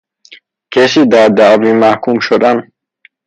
کسی در دعوی محکوم شدن